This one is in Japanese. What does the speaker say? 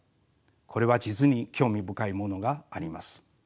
これは実に興味深いものがあります。